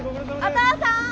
お父さん。